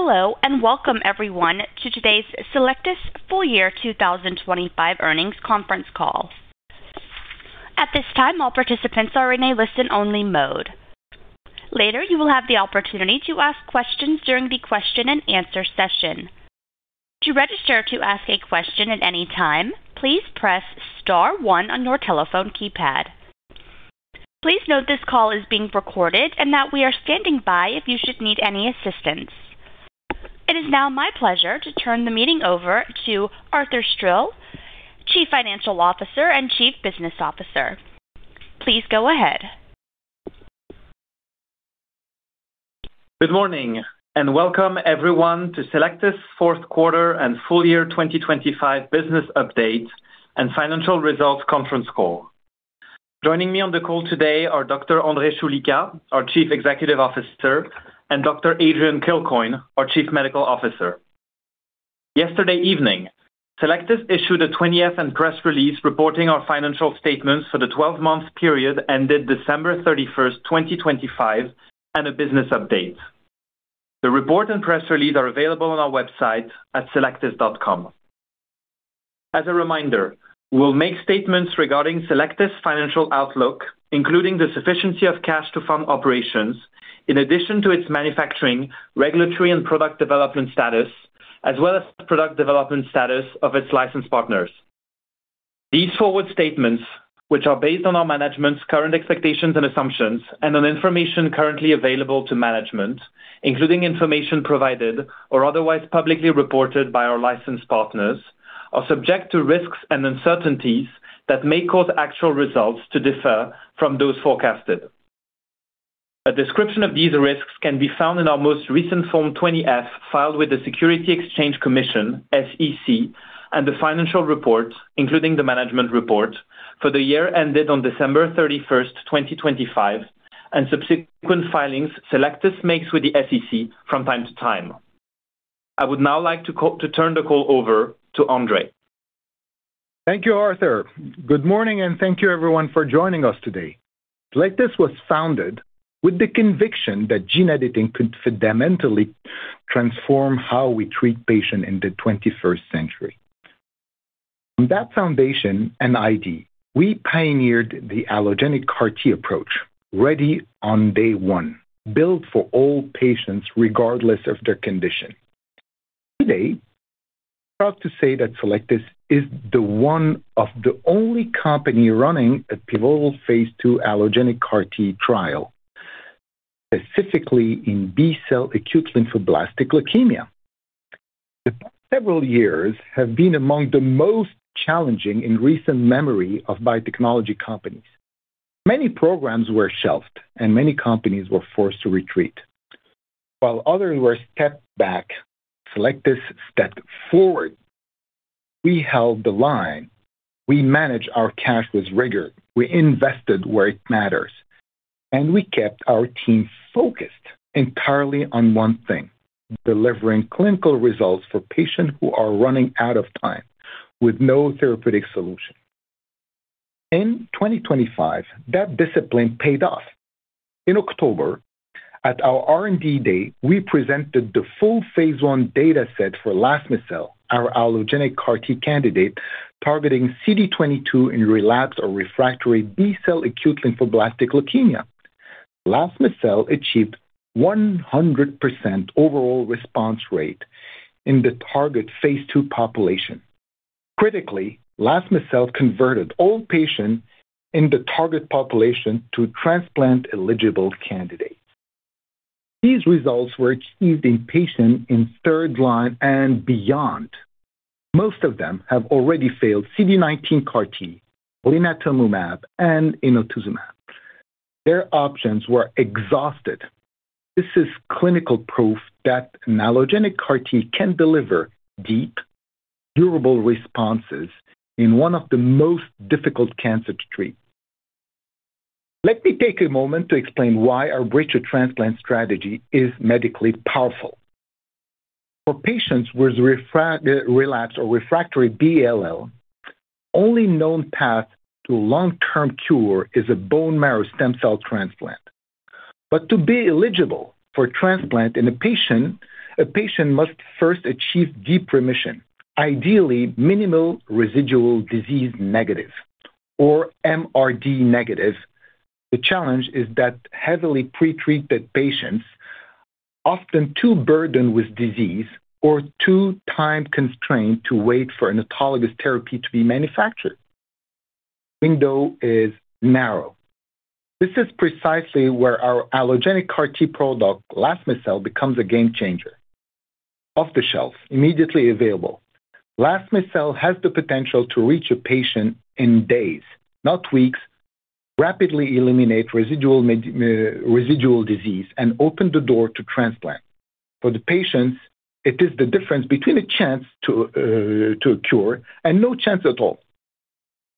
Hello and welcome everyone to today's Cellectis full-year 2025 Earnings Conference Call. At this time, all participants are in a listen-only mode. Later, you will have the opportunity to ask questions during the question and answer session. To register to ask a question at any time, please press star one on your telephone keypad. Please note this call is being recorded and that we are standing by if you should need any assistance. It is now my pleasure to turn the meeting over to Arthur Stril, Chief Financial Officer and Chief Business Officer. Please go ahead. Good morning and welcome everyone to Cellectis fourth quarter and full-year 2025 business update and financial results conference call. Joining me on the call today are Dr. André Choulika, our Chief Executive Officer, and Dr. Adrian Kilcoyne, our Chief Medical Officer. Yesterday evening, Cellectis issued a 20-F and press release reporting our financial statements for the 12-month period ended December 31st, 2025, and a business update. The report and press release are available on our website at cellectis.com. As a reminder, we'll make statements regarding Cellectis financial outlook, including the sufficiency of cash to fund operations in addition to its manufacturing, regulatory and product development status, as well as product development status of its licensed partners. These forward statements, which are based on our management's current expectations and assumptions and on information currently available to management, including information provided or otherwise publicly reported by our licensed partners, are subject to risks and uncertainties that may cause actual results to differ from those forecasted. A description of these risks can be found in our most recent Form 20-F filed with the Securities and Exchange Commission, SEC, and the financial report, including the management report for the year ended on December 31st, 2025, and subsequent filings Cellectis makes with the SEC from time to time. I would now like to turn the call over to André Choulika. Thank you, Arthur. Good morning and thank you everyone for joining us today. Cellectis was founded with the conviction that gene editing could fundamentally transform how we treat patients in the 21st century. On that foundation and idea, we pioneered the allogeneic CAR-T approach, ready on day one, built for all patients regardless of their condition. Today, I'm proud to say that Cellectis is one of the only companies running a pivotal phase II allogeneic CAR-T trial, specifically in B-cell acute lymphoblastic leukemia. The past several years have been among the most challenging in recent memory of biotechnology companies. Many programs were shelved and many companies were forced to retreat. While others stepped back, Cellectis stepped forward. We held the line. We managed our cash with rigor. We invested where it matters, and we kept our team focused entirely on one thing, delivering clinical results for patients who are running out of time with no therapeutic solution. In 2025, that discipline paid off. In October, at our R&D day, we presented the full phase I data set for Lasme-cel, our allogeneic CAR-T candidate targeting CD22 in relapsed or refractory B-cell acute lymphoblastic leukemia. Lasme-cel achieved 100% overall response rate in the target phase II population. Critically, Lasme-cel converted all patients in the target population to transplant-eligible candidates. These results were achieved in patients in third line and beyond. Most of them have already failed CD19 CAR-T, blinatumomab, and inotuzumab. Their options were exhausted. This is clinical proof that an allogeneic CAR-T can deliver deep, durable responses in one of the most difficult cancer to treat. Let me take a moment to explain why our bridge to transplant strategy is medically powerful. For patients with relapse or refractory B-ALL, only known path to long-term cure is a bone marrow stem cell transplant. To be eligible for transplant in a patient, a patient must first achieve deep remission, ideally minimal residual disease negative or MRD negative. The challenge is that heavily pre-treated patients, often too burdened with disease or too time-constrained to wait for an autologous therapy to be manufactured. Window is narrow. This is precisely where our allogeneic CAR-T product, Lasme-cel, becomes a game changer. Off the shelf, immediately available. Lasme-cel has the potential to reach a patient in days, not weeks, rapidly eliminate residual disease and open the door to transplant. For the patients, it is the difference between a chance to a cure and no chance at all.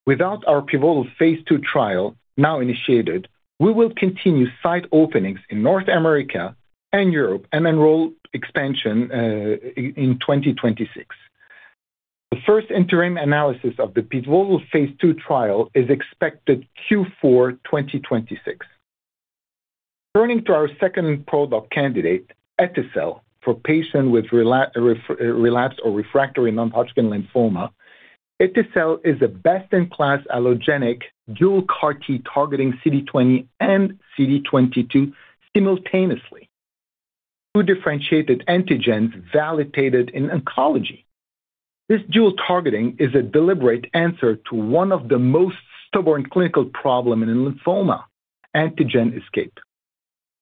With that, our pivotal phase II trial now initiated, we will continue site openings in North America and Europe and enroll expansion in 2026. The first interim analysis of the pivotal phase II trial is expected Q4 2026. Turning to our second product candidate, Eti-cel, for patients with relapsed or refractory non-Hodgkin lymphoma. Eti-cel is a best-in-class allogeneic dual CAR-T targeting CD20 and CD22 simultaneously. Two differentiated antigens validated in oncology. This dual targeting is a deliberate answer to one of the most stubborn clinical problem in lymphoma, antigen escape.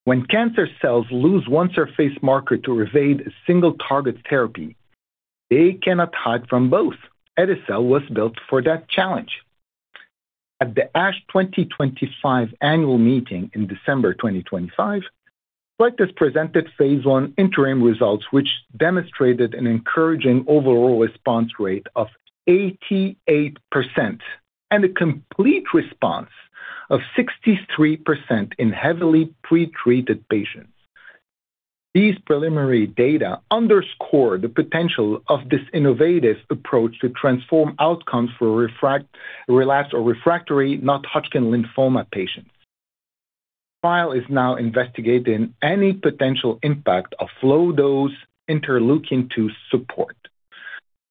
When cancer cells lose one surface marker to evade a single target therapy, they cannot hide from both. Eti-cel was built for that challenge. At the ASH 2025 annual meeting in December 2025, Cellectis presented phase I interim results, which demonstrated an encouraging overall response rate of 88% and a complete response of 63% in heavily pre-treated patients. These preliminary data underscore the potential of this innovative approach to transform outcomes for relapsed or refractory non-Hodgkin lymphoma patients. Trial is now investigating any potential impact of low-dose Interleukin-2 support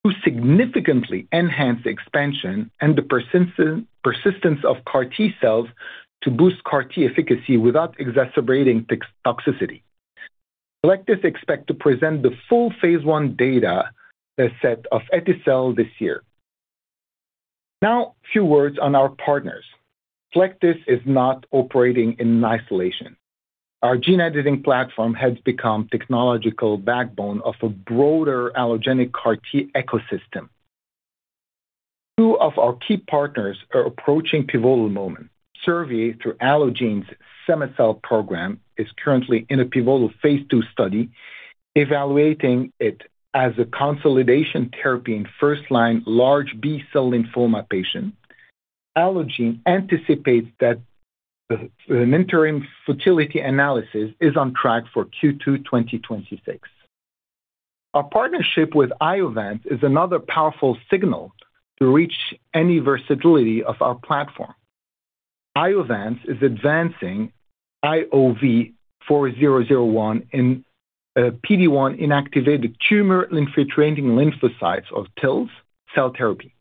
to significantly enhance the expansion and the persistence of CAR-T cells to boost CAR-T efficacy without exacerbating toxicity. Cellectis expects to present the full phase I data set of Eti-cel this year. Now, a few words on our partners. Cellectis is not operating in isolation. Our gene editing platform has become the technological backbone of a broader allogeneic CAR-T ecosystem. Two of our key partners are approaching a pivotal moment. Servier, through Allogene's Cema-cel program, is currently in a pivotal phase II study evaluating it as a consolidation therapy in first-line large B-cell lymphoma patients. Allogene anticipates that the interim futility analysis is on track for Q2 2026. Our partnership with Iovance is another powerful testament to the versatility of our platform. Iovance is advancing IOV-4001 in PD-1-inactivated tumor-infiltrating lymphocytes or TIL cell therapy.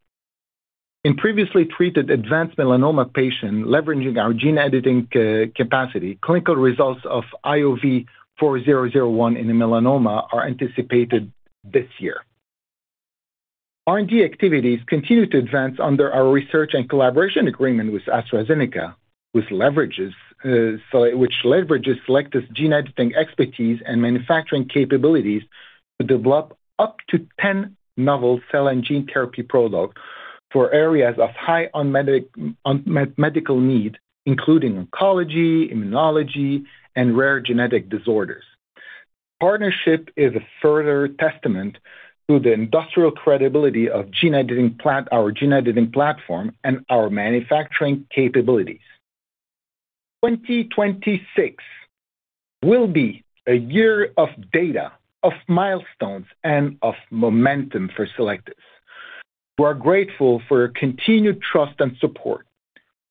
In previously treated advanced melanoma patients leveraging our gene editing capacity, clinical results of IOV-4001 in melanoma are anticipated this year. R&D activities continue to advance under our research and collaboration agreement with AstraZeneca, which leverages Cellectis' gene editing expertise and manufacturing capabilities to develop up to 10 novel cell and gene therapy products for areas of high unmet medical need, including oncology, immunology, and rare genetic disorders. Partnership is a further testament to the industrial credibility of our gene editing platform and our manufacturing capabilities. 2026 will be a year of data, of milestones, and of momentum for Cellectis. We are grateful for your continued trust and support.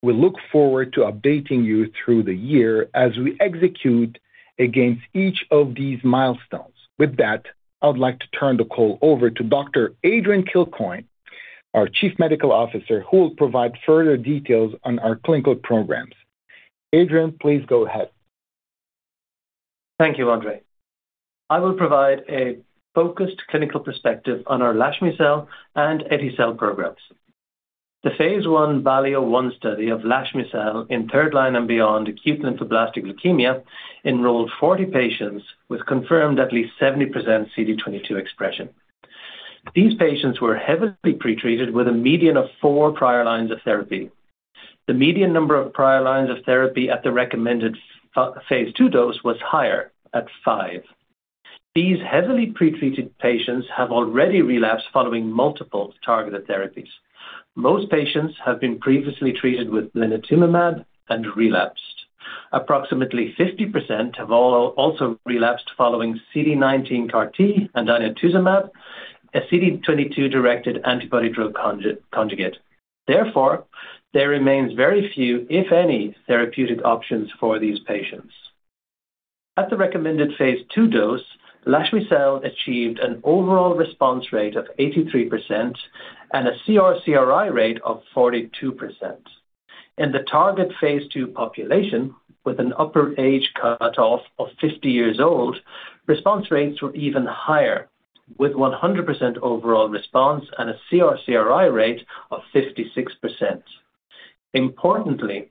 We look forward to updating you through the year as we execute against each of these milestones. With that, I would like to turn the call over to Dr. Adrian Kilcoyne, our Chief Medical Officer, who will provide further details on our clinical programs. Adrian, please go ahead. Thank you, André. I will provide a focused clinical perspective on our Lasme-cel and Eti-cel programs. The phase I BALLI-01 study of Lasme-cel in third line and beyond acute lymphoblastic leukemia enrolled 40 patients with confirmed at least 70% CD22 expression. These patients were heavily pre-treated with a median of four prior lines of therapy. The median number of prior lines of therapy at the recommended phase II dose was higher at five. These heavily pre-treated patients have already relapsed following multiple targeted therapies. Most patients have been previously treated with blinatumomab and relapsed. Approximately 50% have also relapsed following CD19 CAR-T and inotuzumab, a CD22-directed antibody-drug conjugate. Therefore, there remains very few, if any, therapeutic options for these patients. At the recommended phase II dose, Lasme-cel achieved an overall response rate of 83% and a CR/CRI rate of 42%. In the target phase II population, with an upper age cutoff of 50 years old, response rates were even higher, with 100% overall response and a CR/CRI rate of 56%. Importantly,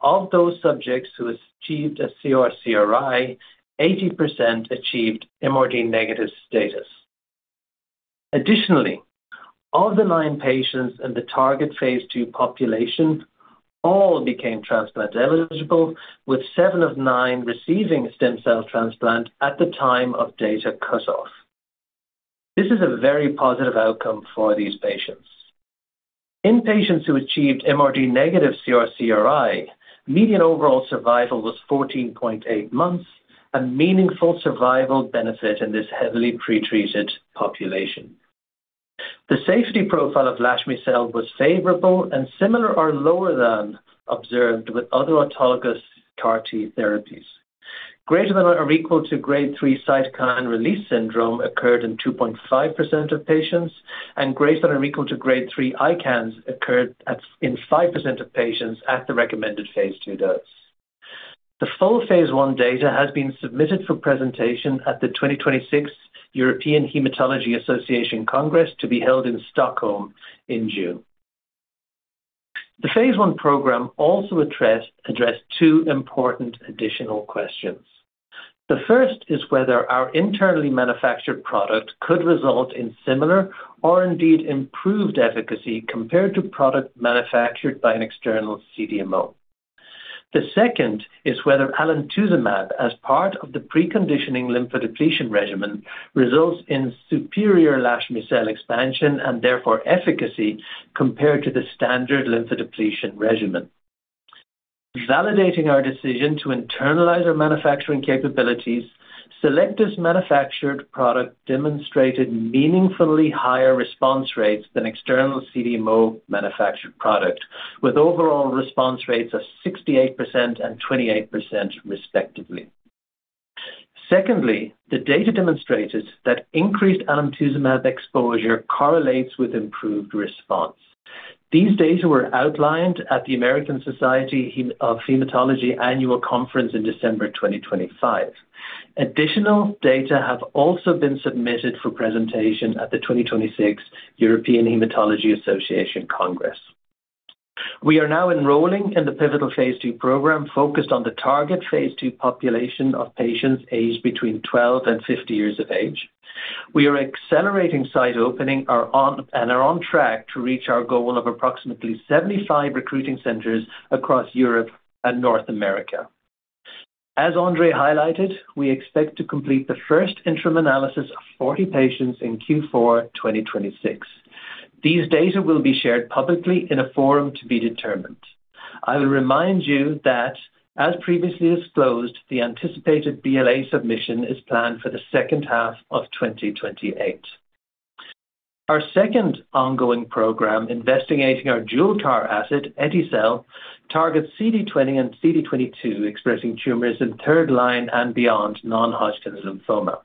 of those subjects who achieved a CR/CRI, 80% achieved MRD negative status. Additionally, of the nine patients in the target phase II population, all became transplant eligible, with seven of nine receiving stem cell transplant at the time of data cut off. This is a very positive outcome for these patients. In patients who achieved MRD negative CR/CRI, median overall survival was 14.8 months, a meaningful survival benefit in this heavily pretreated population. The safety profile of Lasme-cel was favorable and similar or lower than observed with other autologous CAR-T therapies. Greater than or equal to grade three cytokine release syndrome occurred in 2.5% of patients, and greater than or equal to grade three ICANS occurred in 5% of patients at the recommended phase II dose. The full phase I data has been submitted for presentation at the 2026 European Hematology Association Congress to be held in Stockholm in June. The phase I program also addressed two important additional questions. The first is whether our internally manufactured product could result in similar or indeed improved efficacy compared to product manufactured by an external CDMO. The second is whether alemtuzumab, as part of the preconditioning lymphodepletion regimen, results in superior Lasme-cel expansion, and therefore efficacy compared to the standard lymphodepletion regimen. Validating our decision to internalize our manufacturing capabilities, Cellectis manufactured product demonstrated meaningfully higher response rates than external CDMO manufactured product, with overall response rates of 68% and 28% respectively. Secondly, the data demonstrated that increased alemtuzumab exposure correlates with improved response. These data were outlined at the American Society of Hematology annual conference in December 2025. Additional data have also been submitted for presentation at the 2026 European Hematology Association Congress. We are now enrolling in the pivotal phase II program focused on the target phase II population of patients aged between 12 and 50 years of age. We are accelerating site openings and are on track to reach our goal of approximately 75 recruiting centers across Europe and North America. As André highlighted, we expect to complete the first interim analysis of 40 patients in Q4 2026. These data will be shared publicly in a forum to be determined. I will remind you that, as previously disclosed, the anticipated BLA submission is planned for the second half of 2028. Our second ongoing program, investigating our dual CAR-T, Eti-cel, targets CD20 and CD22 expressing tumors in third line and beyond non-Hodgkin lymphoma.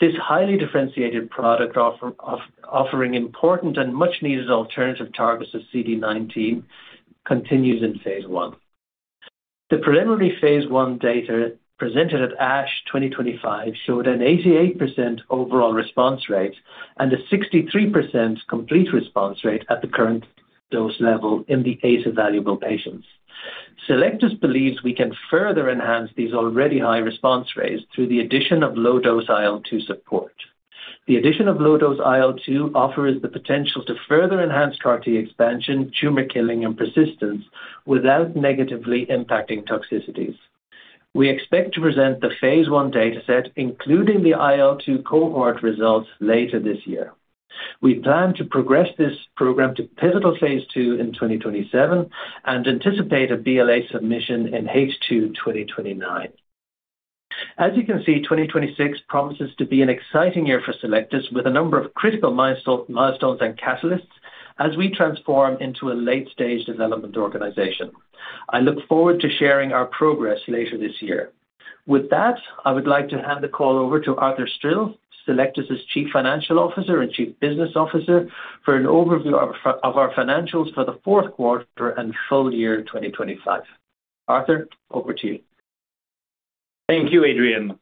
This highly differentiated product offering important and much needed alternative targets to CD19 continues in phase one. The preliminary phase one data presented at ASH 2025 showed an 88% overall response rate and a 63% complete response rate at the current dose level in the six evaluable patients. Cellectis believes we can further enhance these already high response rates through the addition of low dose IL-2 support. The addition of low dose IL-2 offers the potential to further enhance CAR-T expansion, tumor killing and persistence without negatively impacting toxicities. We expect to present the phase I data set, including the IL-2 cohort results later this year. We plan to progress this program to pivotal phase II in 2027 and anticipate a BLA submission in H2 2029. As you can see, 2026 promises to be an exciting year for Cellectis with a number of critical milestones and catalysts as we transform into a late-stage development organization. I look forward to sharing our progress later this year. With that, I would like to hand the call over to Arthur Stril, Cellectis's Chief Financial Officer and Chief Business Officer, for an overview of our financials for the fourth quarter and full-year 2025. Arthur, over to you. Thank you, Adrian.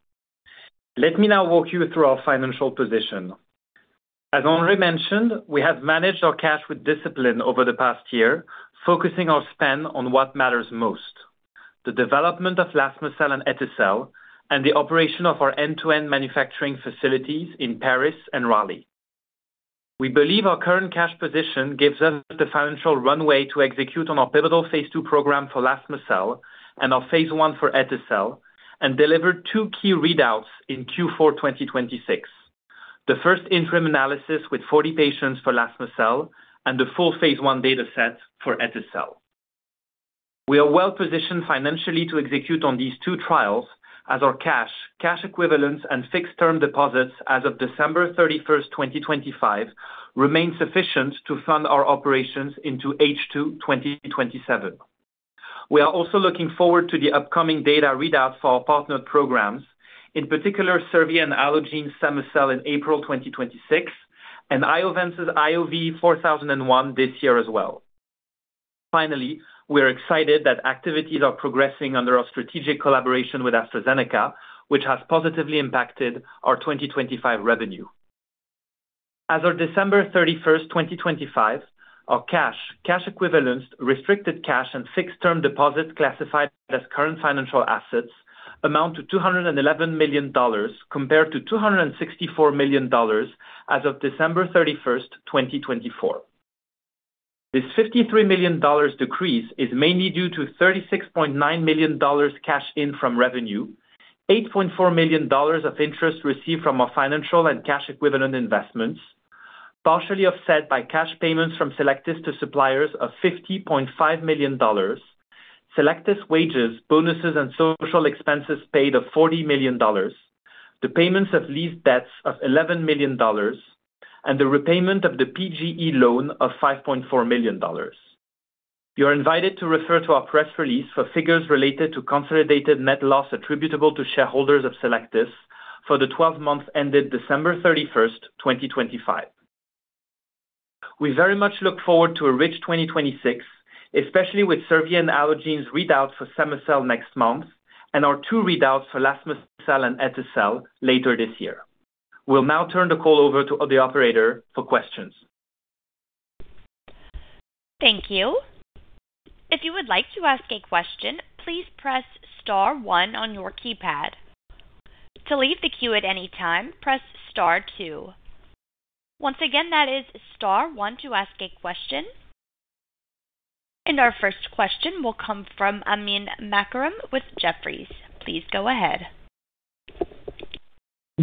Let me now walk you through our financial position. As André mentioned, we have managed our cash with discipline over the past year, focusing our spend on what matters most, the development of Lasme-cel and Eti-cel, and the operation of our end-to-end manufacturing facilities in Paris and Raleigh. We believe our current cash position gives us the financial runway to execute on our pivotal phase II program for Lasme-cel and our phase I for Eti-cel, and deliver two key readouts in Q4 2026, the first interim analysis with 40 patients for Lasme-cel and the full phase I data set for Eti-cel. We are well positioned financially to execute on these two trials as our cash equivalents and fixed term deposits as of December 31st, 2025 remain sufficient to fund our operations into H2 2027. We are also looking forward to the upcoming data readouts for our partnered programs, in particular Servier and Allogene Cema-cel in April 2026 and Iovance's IOV-4001 this year as well. Finally, we are excited that activities are progressing under our strategic collaboration with AstraZeneca, which has positively impacted our 2025 revenue. As of December 31st, 2025, our cash equivalents, restricted cash and fixed term deposits classified as current financial assets amount to $211 million compared to $264 million as of December 31st, 2024. This $53 million decrease is mainly due to $36.9 million cash in from revenue. $8.4 million of interest received from our financial and cash equivalent investments, partially offset by cash payments from Cellectis to suppliers of $50.5 million. Cellectis wages, bonuses, and social expenses paid of $40 million. The payments of lease debts of $11 million and the repayment of the PGE loan of $5.4 million. You are invited to refer to our press release for figures related to consolidated net loss attributable to shareholders of Cellectis for the 12 months ended December 31st, 2025. We very much look forward to a rich 2026, especially with Servier and Allogene's readouts for Cema-cel next month and our two readouts for Lasme-cel and Eti-cel later this year. We'll now turn the call over to the operator for questions. Thank you. If you would like to ask a question, please press star one on your keypad. To leave the queue at any time, press star two. Once again, that is star one to ask a question. Our first question will come from Amin Makarem with Jefferies. Please go ahead.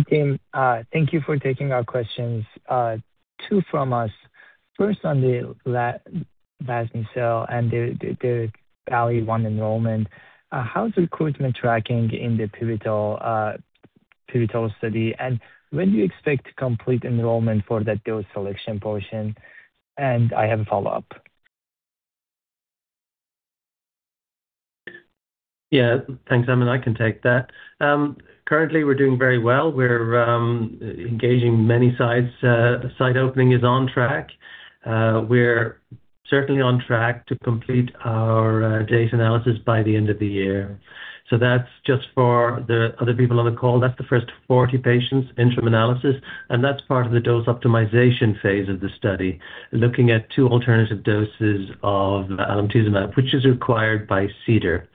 Hey, team, thank you for taking our questions. Two from us. First, on the Lasme-cel and the BALLI-01 enrollment. How's recruitment tracking in the pivotal study, and when do you expect to complete enrollment for that dose selection portion? I have a follow-up. Yeah. Thanks, Amin. I can take that. Currently we're doing very well. We're engaging many sites. The site opening is on track. We're certainly on track to complete our data analysis by the end of the year. That's just for the other people on the call. That's the first 40 patients interim analysis, and that's part of the dose optimization phase of the study, looking at two alternative doses of alemtuzumab, which is required by CDER.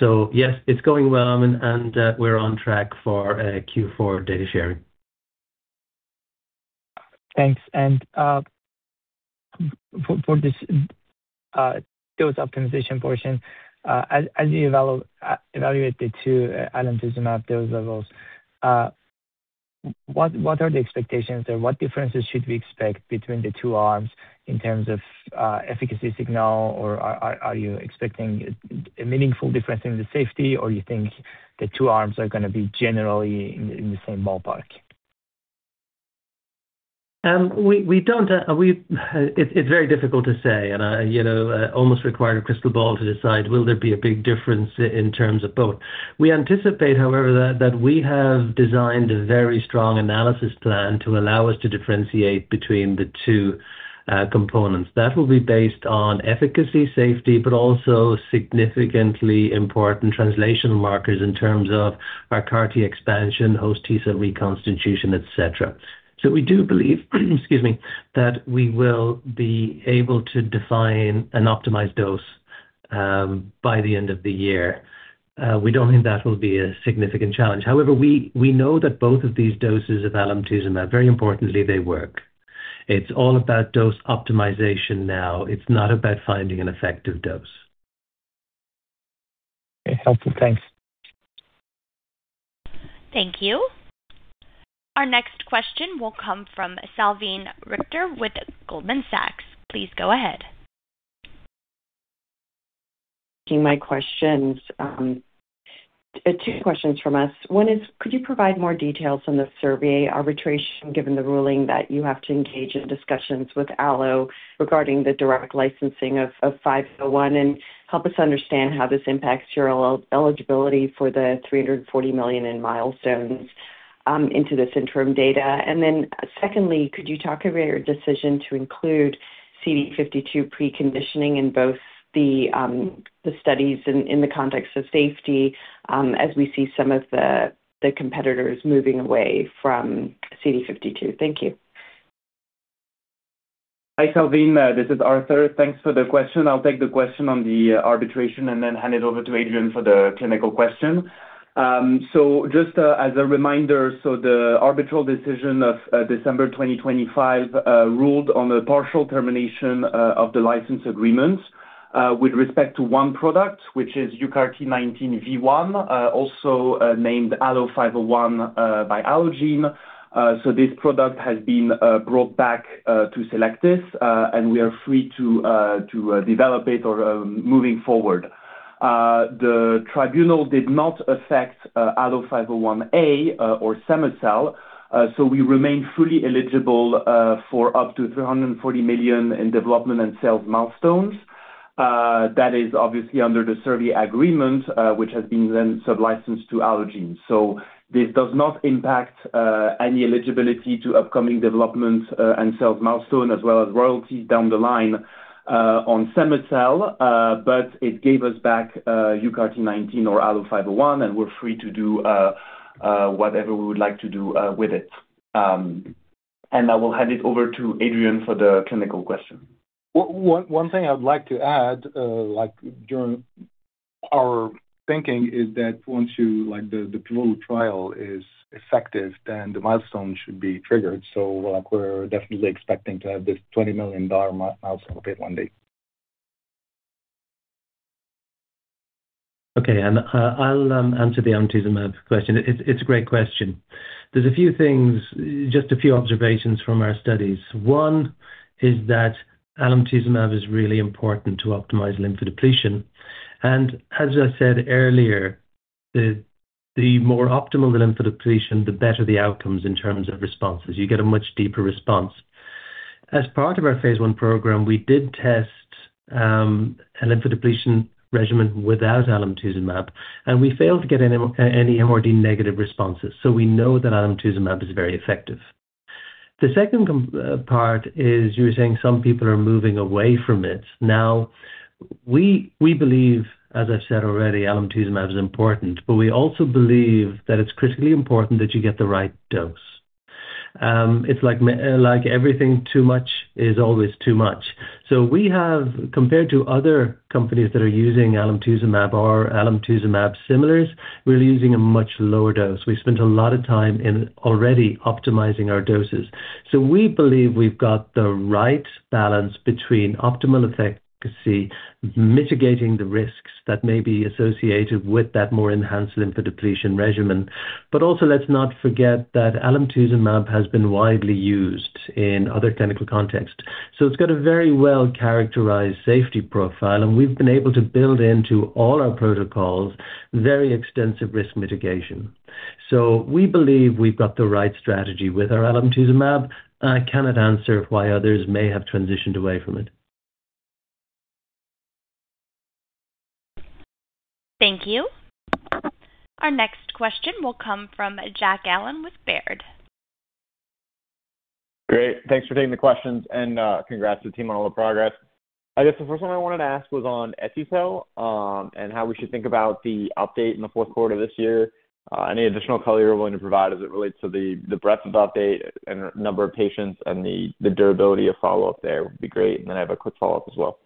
Yes, it's going well, Amin, and we're on track for a Q4 data sharing. Thanks. For this dose optimization portion, as you evaluate the two alemtuzumab dose levels, what are the expectations there? What differences should we expect between the two arms in terms of efficacy signal, or are you expecting a meaningful difference in the safety, or you think the two arms are gonna be generally in the same ballpark? We don't. It's very difficult to say, and I, you know, almost require a crystal ball to decide will there be a big difference in terms of both. We anticipate, however, that we have designed a very strong analysis plan to allow us to differentiate between the two components. That will be based on efficacy, safety, but also significantly important translational markers in terms of our CAR-T expansion, host T cell reconstitution, et cetera. We do believe, excuse me, that we will be able to define an optimized dose by the end of the year. We don't think that will be a significant challenge. However, we know that both of these doses of alemtuzumab, very importantly, they work. It's all about dose optimization now. It's not about finding an effective dose. Okay. Helpful. Thanks. Thank you. Our next question will come from Salveen Richter with Goldman Sachs. Please go ahead. Taking my questions. Two questions from us. One is, could you provide more details on the Servier arbitration, given the ruling that you have to engage in discussions with Allo regarding the direct licensing of 501, and help us understand how this impacts your eligibility for the 340 million in milestones into this interim data? Then secondly, could you talk about your decision to include CD52 preconditioning in both the studies in the context of safety, as we see some of the competitors moving away from CD52? Thank you. Hi, Salveen. This is Arthur. Thanks for the question. I'll take the question on the arbitration and then hand it over to Adrian for the clinical question. As a reminder, the arbitral decision of December 2025 ruled on a partial termination of the license agreement with respect to one product, which is UCART19 v1, also named ALLO-501 by Allogene. This product has been brought back to Cellectis, and we are free to develop it or moving forward. The tribunal did not affect ALLO-501A or Cema-cel, so we remain fully eligible for up to 340 million in development and sales milestones. That is obviously under the Servier agreement, which has been then sub-licensed to Allogene. This does not impact any eligibility to upcoming developments, and sales milestone as well as royalties down the line, on Cema-cel, but it gave us back UCART19 v1 or ALLO-501, and we're free to do whatever we would like to do with it. I will hand it over to Adrian for the clinical question. One thing I'd like to add, like, during our thinking is that once the pivotal trial is effective, then the milestone should be triggered. Like, we're definitely expecting to have this $20 million milestone paid one day. Okay. I'll answer the alemtuzumab question. It's a great question. There's a few things. Just a few observations from our studies. One is that alemtuzumab is really important to optimize lymphodepletion. As I said earlier, the more optimal the lymphodepletion, the better the outcomes in terms of responses. You get a much deeper response. As part of our phase I program, we did test a lymphodepletion regimen without alemtuzumab, and we failed to get any MRD-negative responses. So we know that alemtuzumab is very effective. The second part is you were saying some people are moving away from it. Now, we believe, as I've said already, alemtuzumab is important, but we also believe that it's critically important that you get the right dose. It's like everything, too much is always too much. We have, compared to other companies that are using alemtuzumab or alemtuzumab similars, we're using a much lower dose. We spent a lot of time in already optimizing our doses. We believe we've got the right balance between optimal efficacy, mitigating the risks that may be associated with that more enhanced lymphodepletion regimen. Also, let's not forget that alemtuzumab has been widely used in other clinical contexts, so it's got a very well-characterized safety profile, and we've been able to build into all our protocols very extensive risk mitigation. We believe we've got the right strategy with our alemtuzumab. I cannot answer why others may have transitioned away from it. Thank you. Our next question will come from Jack Allen with Baird. Great. Thanks for taking the questions, and congrats to the team on all the progress. I guess the first one I wanted to ask was on Eti-cel, and how we should think about the update in the fourth quarter this year. Any additional color you're willing to provide as it relates to the breadth of update and number of patients and the durability of follow-up there would be great. I have a quick follow-up as well.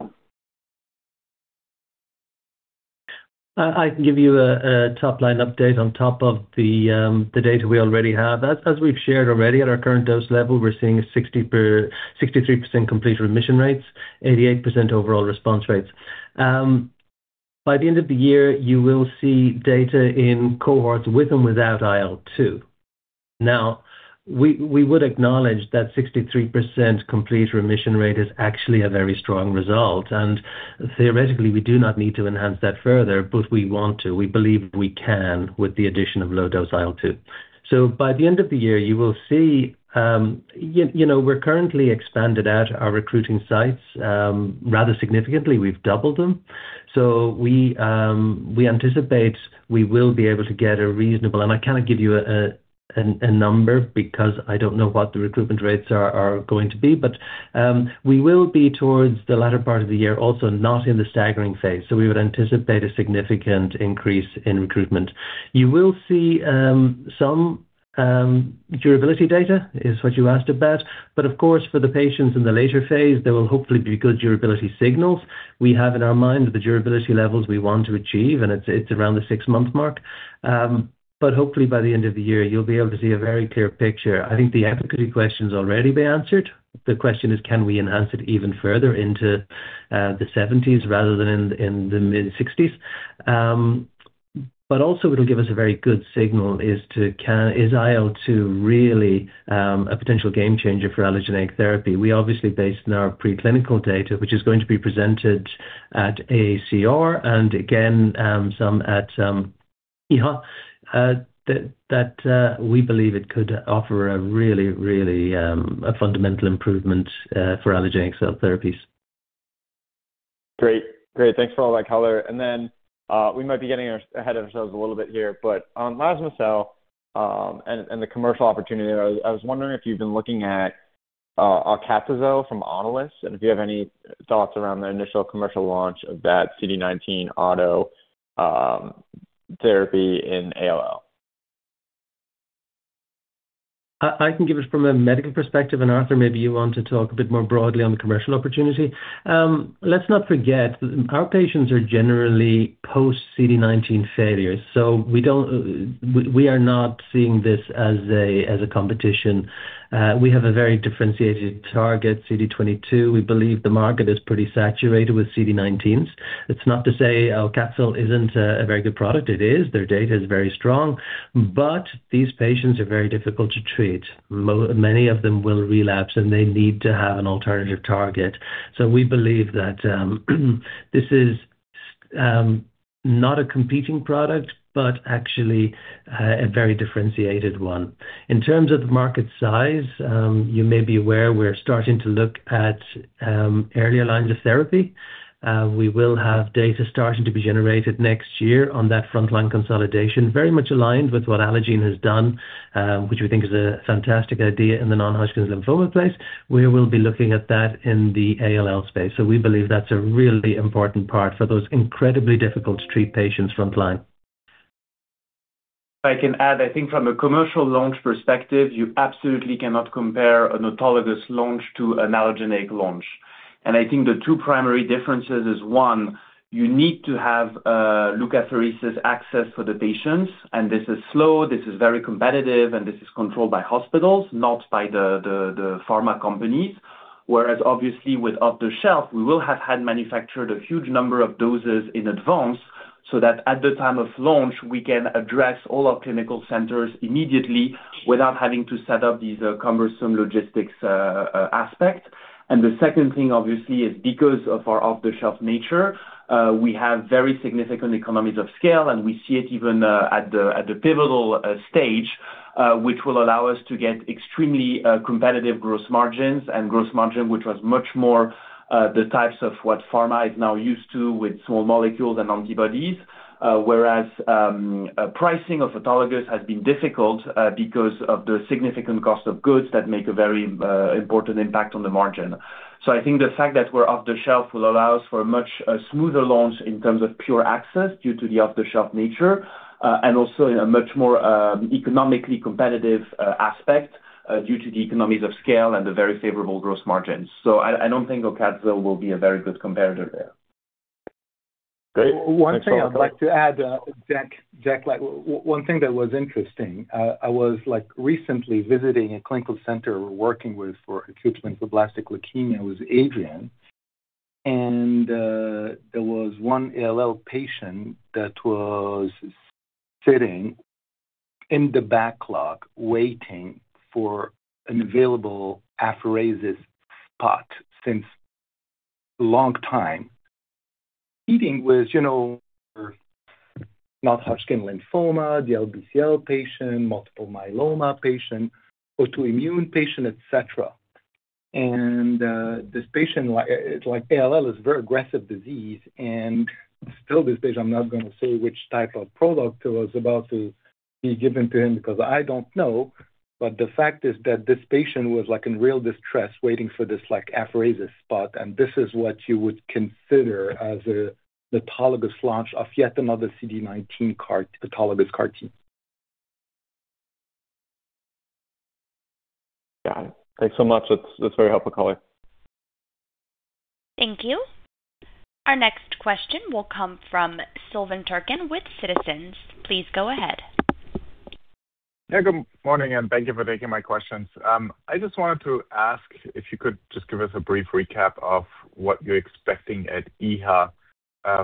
I can give you a top-line update on top of the data we already have. As we've shared already, at our current dose level, we're seeing 63% complete remission rates, 88% overall response rates. By the end of the year, you will see data in cohorts with and without IL-2. Now, we would acknowledge that 63% complete remission rate is actually a very strong result, and theoretically, we do not need to enhance that further, but we want to. We believe we can with the addition of low-dose IL-2. By the end of the year, you will see, you know, we're currently expanded at our recruiting sites rather significantly. We've doubled them. We anticipate we will be able to get a reasonable. I cannot give you a number because I don't know what the recruitment rates are going to be. We will be towards the latter part of the year also not in the staggering phase, so we would anticipate a significant increase in recruitment. You will see some durability data, is what you asked about. For the patients in the later phase, there will hopefully be good durability signals. We have in our mind the durability levels we want to achieve, and it's around the six-month mark. Hopefully by the end of the year you'll be able to see a very clear picture. I think the efficacy question's already been answered. The question is can we enhance it even further into the seventies rather than in the mid-sixties. Also it'll give us a very good signal. Is IL-2 really a potential game changer for allogeneic therapy? We obviously, based on our preclinical data, which is going to be presented at AACR and again some at EHA, that we believe it could offer a really a fundamental improvement for allogeneic cell therapies. Great. Thanks for all that color. Then, we might be getting ahead of ourselves a little bit here, but on Lasme-cel and the commercial opportunity, I was wondering if you've been looking at Obe-cel from Autolus and if you have any thoughts around the initial commercial launch of that CD19 allo therapy in ALL. I can give it from a medical perspective, and Arthur, maybe you want to talk a bit more broadly on the commercial opportunity. Let's not forget our patients are generally post CD19 failures, so we are not seeing this as a competition. We have a very differentiated target, CD22. We believe the market is pretty saturated with CD19s. It's not to say Obe-cel isn't a very good product. It is. Their data is very strong. These patients are very difficult to treat. Many of them will relapse, and they need to have an alternative target. We believe that this is not a competing product, but actually a very differentiated one. In terms of the market size, you may be aware we're starting to look at earlier lines of therapy. We will have data starting to be generated next year on that frontline consolidation, very much aligned with what Allogene has done, which we think is a fantastic idea in the non-Hodgkin lymphoma space. We will be looking at that in the ALL space, so we believe that's a really important part for those incredibly difficult to treat patients frontline. I can add, I think from a commercial launch perspective, you absolutely cannot compare an autologous launch to an allogeneic launch. I think the two primary differences is, one, you need to have leukapheresis access for the patients, and this is slow, this is very competitive, and this is controlled by hospitals, not by the pharma companies. Whereas obviously with off-the-shelf, we will have had manufactured a huge number of doses in advance so that at the time of launch, we can address all our clinical centers immediately without having to set up these cumbersome logistics aspect. The second thing, obviously, is because of our off-the-shelf nature, we have very significant economies of scale, and we see it even at the pivotal stage, which will allow us to get extremely competitive gross margins, which was much more the types of what pharma is now used to with small molecules and antibodies. Whereas, pricing of autologous has been difficult, because of the significant cost of goods that make a very important impact on the margin. I think the fact that we're off the shelf will allow us for a much smoother launch in terms of pure access due to the off-the-shelf nature, and also in a much more economically competitive aspect, due to the economies of scale and the very favorable gross margins. I don't think Obe-cel will be a very good competitor there. Great. One thing I'd like to add, Jack, like one thing that was interesting, I was like recently visiting a clinical center we're working with for acute lymphoblastic leukemia with Adrian. There was one ALL patient that was sitting in the backlog waiting for an available apheresis slot for a long time, along with, you know, non-Hodgkin lymphoma, DLBCL patient, multiple myeloma patient, autoimmune patient, etc. This patient, like ALL, is very aggressive disease. Still this patient, I'm not going to say which type of product was about to be given to him because I don't know. The fact is that this patient was, like, in real distress waiting for this, like, apheresis spot. This is what you would consider as an autologous launch of yet another CD19 CAR-T, autologous CAR-T. Got it. Thanks so much. That's very helpful, André Choulika. Thank you. Our next question will come from Silvan Tuerkcan with Citizens. Please go ahead. Yeah, good morning, and thank you for taking my questions. I just wanted to ask if you could just give us a brief recap of what you're expecting at EHA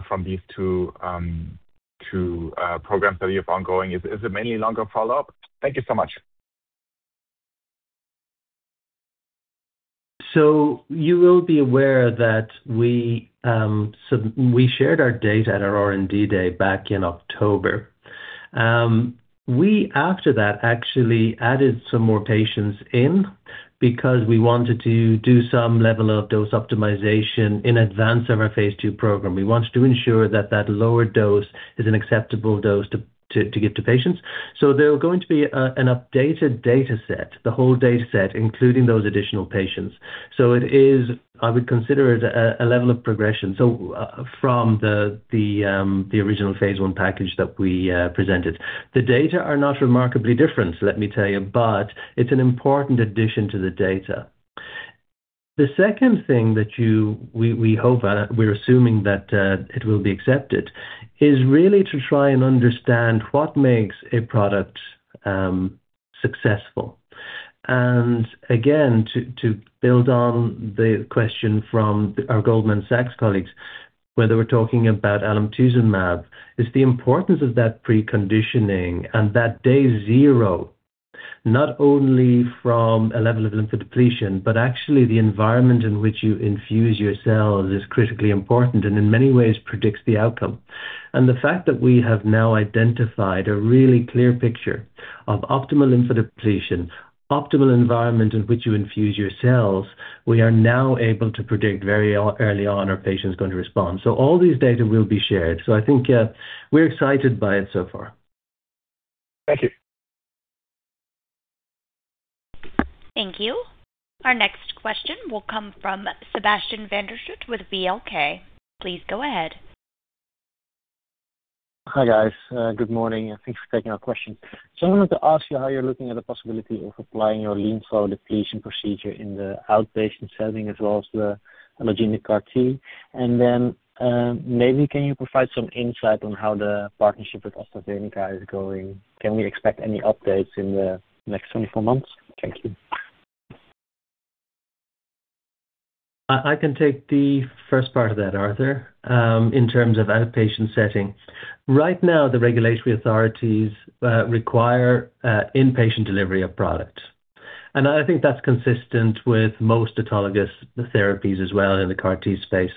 from these two programs that you have ongoing. Is it mainly longer follow-up? Thank you so much. You will be aware that we shared our data at our R&D day back in October. We after that actually added some more patients in because we wanted to do some level of dose optimization in advance of our phase II program. We wanted to ensure that lower dose is an acceptable dose to give to patients. There was going to be an updated dataset, the whole dataset, including those additional patients. It is. I would consider it a level of progression from the original phase I package that we presented. The data are not remarkably different, let me tell you, but it's an important addition to the data. The second thing that we hope, we're assuming that it will be accepted, is really to try and understand what makes a product successful. Again, to build on the question from our Goldman Sachs colleagues, where they were talking about alemtuzumab, is the importance of that preconditioning and that day zero, not only from a level of lymphodepletion, but actually the environment in which you infuse your cells is critically important and in many ways predicts the outcome. The fact that we have now identified a really clear picture of optimal lymphodepletion, optimal environment in which you infuse your cells, we are now able to predict very early on are patients going to respond. All these data will be shared. I think we're excited by it so far. Thank you. Thank you. Our next question will come from Sebastiaan van der Schoot with VLK. Please go ahead. Hi, guys. Good morning, and thanks for taking our question. I wanted to ask you how you're looking at the possibility of applying your lymphodepletion procedure in the outpatient setting as well as the allogeneic CAR-T. Maybe can you provide some insight on how the partnership with AstraZeneca is going? Can we expect any updates in the next 24 months? Thank you. I can take the first part of that, Arthur, in terms of outpatient setting. Right now, the regulatory authorities require inpatient delivery of product. I think that's consistent with most autologous therapies as well in the CAR-T space.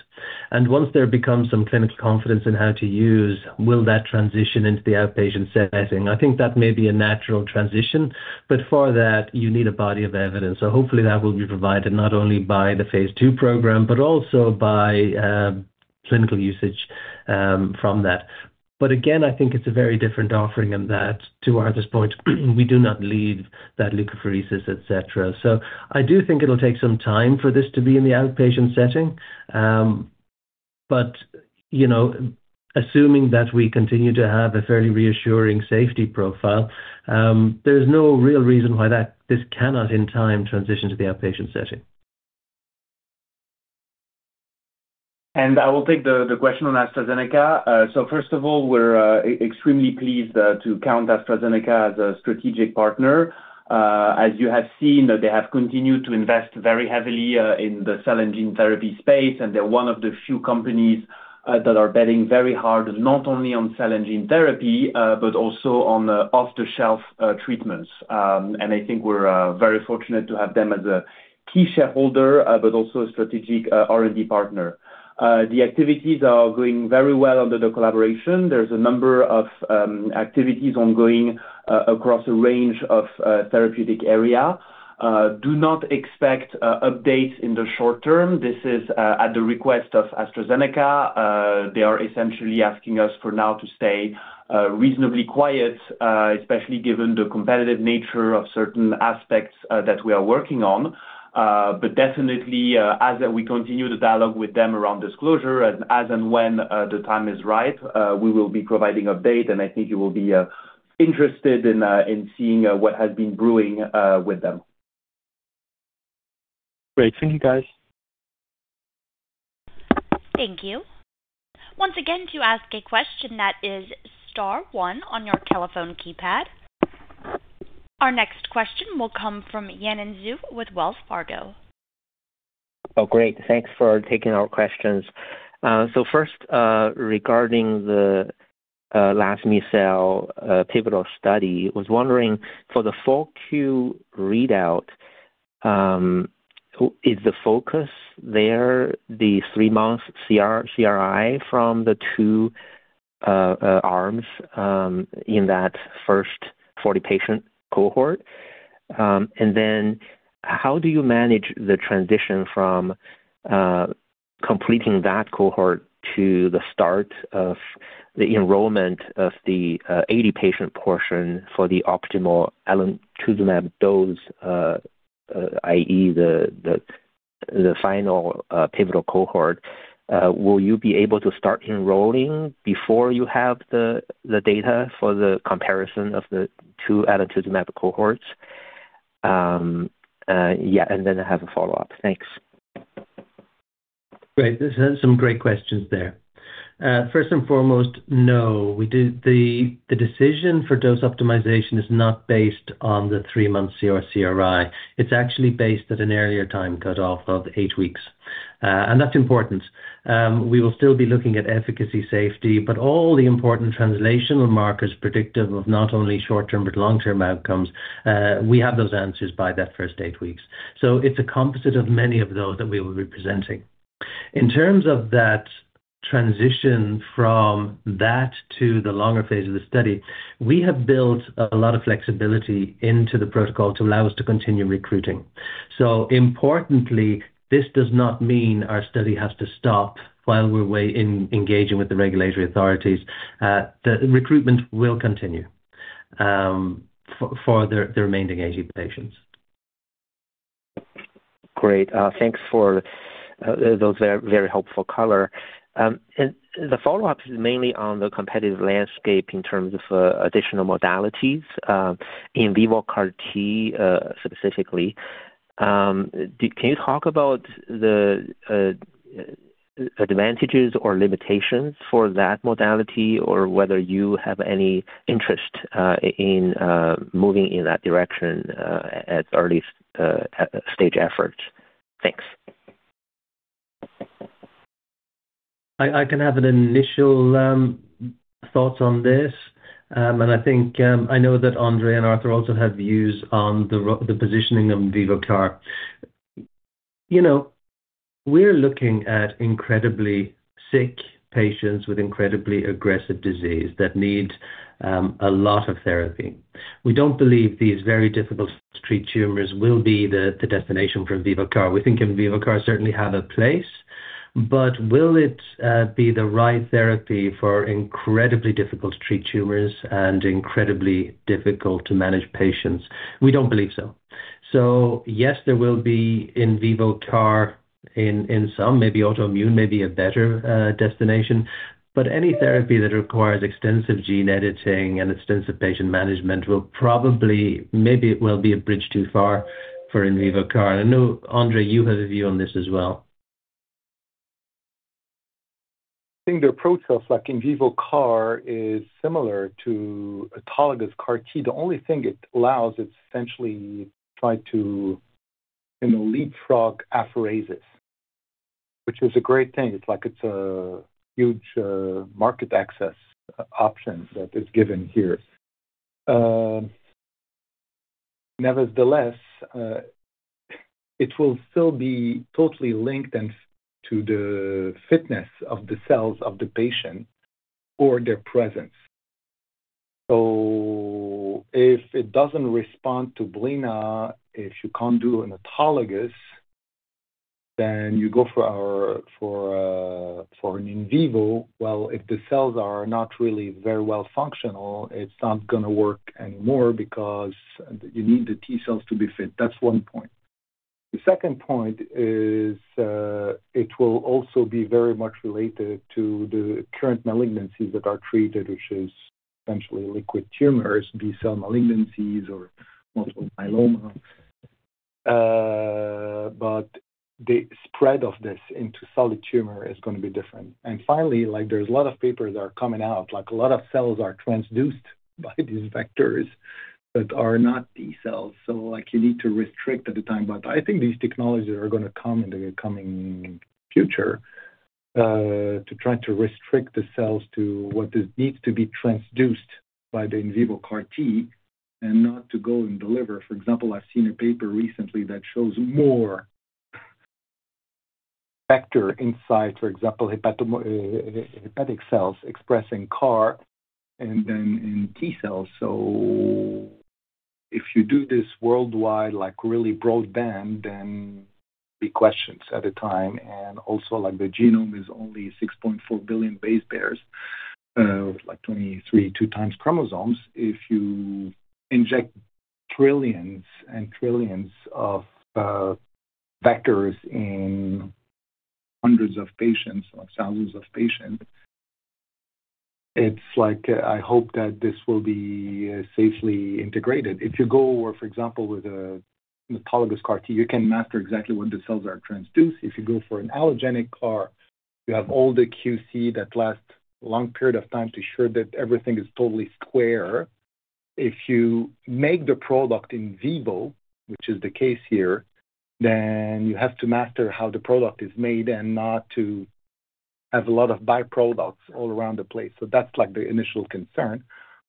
Once there becomes some clinical confidence in how to use, will that transition into the outpatient setting? I think that may be a natural transition, but for that you need a body of evidence. Hopefully that will be provided not only by the phase II program but also by clinical usage from that. Again, I think it's a very different offering in that, to Arthur's point, we do not need that leukapheresis, etc. I do think it'll take some time for this to be in the outpatient setting you know, assuming that we continue to have a fairly reassuring safety profile, there's no real reason why this cannot in time transition to the outpatient setting. I will take the question on AstraZeneca. So first of all, we're extremely pleased to count AstraZeneca as a strategic partner. As you have seen, they have continued to invest very heavily in the cell and gene therapy space, and they're one of the few companies that are betting very hard, not only on cell and gene therapy, but also on off-the-shelf treatments. I think we're very fortunate to have them as a key shareholder, but also a strategic R&D partner. The activities are going very well under the collaboration. There's a number of activities ongoing across a range of therapeutic areas. Do not expect updates in the short term. This is at the request of AstraZeneca. They are essentially asking us for now to stay reasonably quiet, especially given the competitive nature of certain aspects that we are working on. Definitely, as we continue the dialogue with them around disclosure as and when the time is right, we will be providing update, and I think you will be interested in seeing what has been brewing with them. Great. Thank you, guys. Thank you. Once again, to ask a question, press star one on your telephone keypad. Our next question will come from Yanan Zhu with Wells Fargo. Oh, great. Thanks for taking our questions. So first, regarding the Lasme-cel pivotal study. Was wondering for the Q4 readout, is the focus there, the three-month CR/CRi from the two arms in that first 40-patient cohort? And then how do you manage the transition from completing that cohort to the start of the enrollment of the 80-patient portion for the optimal alemtuzumab dose, i.e., the final pivotal cohort? Will you be able to start enrolling before you have the data for the comparison of the two alemtuzumab cohorts? I have a follow-up. Thanks. Great. This is some great questions there. First and foremost, no. The decision for dose optimization is not based on the three-month CR/CRI. It's actually based at an earlier time cutoff of eight weeks. That's important. We will still be looking at efficacy, safety, but all the important translational markers predictive of not only short-term, but long-term outcomes, we have those answers by that first eight weeks. It's a composite of many of those that we will be presenting. In terms of that transition from that to the longer phase of the study, we have built a lot of flexibility into the protocol to allow us to continue recruiting. Importantly, this does not mean our study has to stop while we're engaging with the regulatory authorities. The recruitment will continue for the remaining aging patients. Great. Thanks for those very, very helpful color. The follow-up is mainly on the competitive landscape in terms of additional modalities, in vivo CAR-T, specifically. Can you talk about the advantages or limitations for that modality or whether you have any interest in moving in that direction, at earliest stage efforts? Thanks. I can have an initial thoughts on this. I think I know that André and Arthur also have views on the positioning of vivo CAR. You know, we're looking at incredibly sick patients with incredibly aggressive disease that need a lot of therapy. We don't believe these very difficult to treat tumors will be the destination for vivo CAR. We think in vivo CAR-T certainly have a place, but will it be the right therapy for incredibly difficult to treat tumors and incredibly difficult to manage patients? We don't believe so. Yes, there will be in vivo CAR-T in some, maybe autoimmune may be a better destination. Any therapy that requires extensive gene editing and extensive patient management will probably, maybe it will be a bridge too far for in vivo CAR. I know, André, you have a view on this as well. I think their process, like in vivo CAR, is similar to autologous CAR-T. The only thing it allows is essentially try to, you know, leapfrog apheresis, which is a great thing. It's like it's a huge market access option that is given here. Nevertheless, it will still be totally linked in to the fitness of the cells of the patient or their presence. If it doesn't respond to blinatumomab, if you can't do an autologous, then you go for an in vivo. Well, if the cells are not really very well functional, it's not gonna work anymore because you need the T cells to be fit. That's one point. The second point is, it will also be very much related to the current malignancies that are treated, which is essentially liquid tumors, B-cell malignancies, or multiple myeloma. The spread of this into solid tumor is going to be different. Finally, like, there's a lot of papers that are coming out, like a lot of cells are transduced by these vectors that are not T cells. Like, you need to restrict at the time. I think these technologies are going to come in the coming future, to try to restrict the cells to what needs to be transduced by the in vivo CAR-T and not to go and deliver. For example, I've seen a paper recently that shows more vector inside, for example, hepatic cells expressing CAR and then in T cells. If you do this worldwide, like really broadly, then big questions at a time. Like, the genome is only 6.4 billion base pairs, like 23, 2x chromosomes. If you inject trillions and trillions of vectors in hundreds of patients, like thousands of patients, it's like, I hope that this will be safely integrated. If you go, for example, with an autologous CAR-T, you can master exactly when the cells are transduced. If you go for an allogeneic CAR, you have all the QC that lasts a long period of time to ensure that everything is totally square. If you make the product in vivo, which is the case here, then you have to master how the product is made and not to have a lot of byproducts all around the place. That's like the initial concern.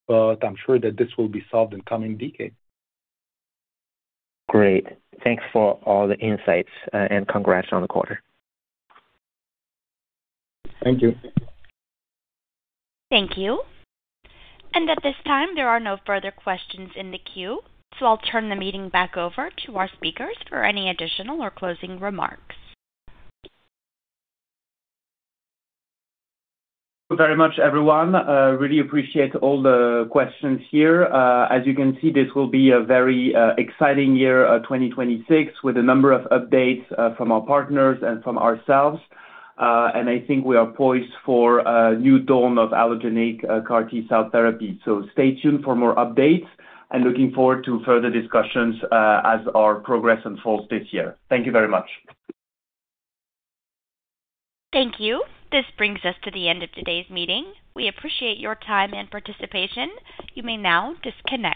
I'm sure that this will be solved in coming decades. Great. Thanks for all the insights and congrats on the quarter. Thank you. Thank you. At this time, there are no further questions in the queue, so I'll turn the meeting back over to our speakers for any additional or closing remarks. Thank you very much, everyone. Really appreciate all the questions here. As you can see, this will be a very exciting year, 2026, with a number of updates from our partners and from ourselves. I think we are poised for a new dawn of allogeneic CAR-T-cell therapy. Stay tuned for more updates, and looking forward to further discussions as our progress unfolds this year. Thank you very much. Thank you. This brings us to the end of today's meeting. We appreciate your time and participation. You may now disconnect.